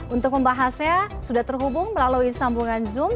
untuk membahasnya sudah terhubung melalui sambungan zoom